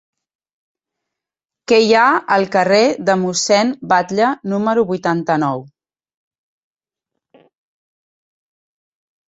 Què hi ha al carrer de Mossèn Batlle número vuitanta-nou?